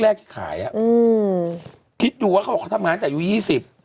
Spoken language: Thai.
แรกขายอ่ะอืมคิดดูว่าเขาบอกว่าเขาทำงานตั้งแต่ยู๒๐